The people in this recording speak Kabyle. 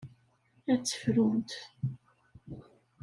Ad tt-frunt.